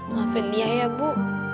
maafin liat ya bu